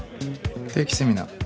定期セミナー。